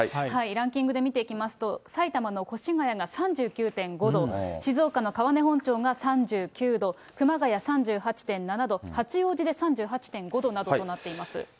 ランキングで見ていきますと、埼玉の越谷が３９．５度、静岡の川根本町が３９度、熊谷３８．７度、八王子で３８．５度などとなっています。